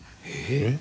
えっ！？